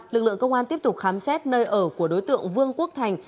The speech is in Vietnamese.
lực lượng công an tiếp tục khám xét nơi ở của đối tượng vương quốc thành